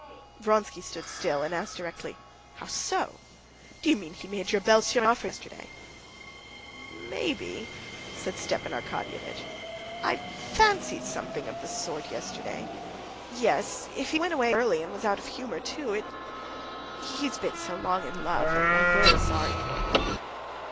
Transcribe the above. Vronsky stood still and asked directly: "How so? Do you mean he made your belle sœur an offer yesterday?" "Maybe," said Stepan Arkadyevitch. "I fancied something of the sort yesterday. Yes, if he went away early, and was out of humor too, it must mean it.... He's been so long in love, and I'm very sorry for him."